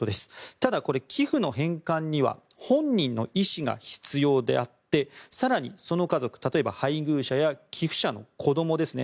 ただ、寄付の返還には本人の意思が必要であって更に、その家族、例えば配偶者や寄付者の子どもですね。